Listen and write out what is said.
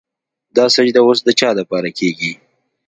دا سجده وس د چا دپاره کيږي